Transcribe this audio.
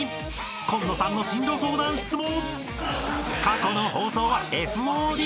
［紺野さんの進路相談室も］